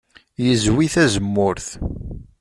Yezwi tazemmurt.